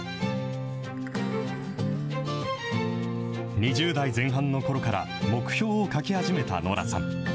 ２０代前半のころから、目標を書き始めたノラさん。